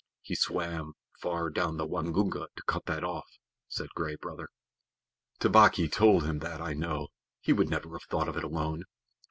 "He swam far down the Waingunga to cut that off," said Gray Brother. "Tabaqui told him that, I know. He would never have thought of it alone."